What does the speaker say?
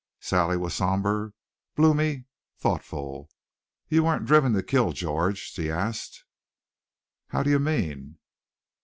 Sally was somber, bloomy, thoughtful. "You weren't driven to kill George?" she asked. "How do you mean?"